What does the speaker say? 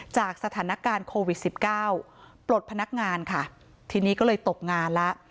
จากสถานการณ์โควิด๑๙ปลดพนักงานค่ะทีนี้ก็เลยตบงานละ